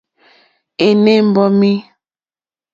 Ènê mbɔ́mí.